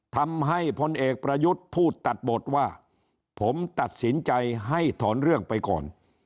พลเอกประยุทธ์พูดตัดบทว่าผมตัดสินใจให้ถอนเรื่องไปก่อน